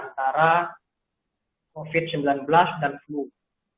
nah cuma disebutkan sebagai flurona